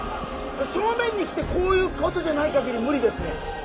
正面に来てこういうことじゃないかぎり無理ですね。